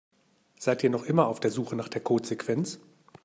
Seid ihr noch immer auf der Suche nach der Codesequenz?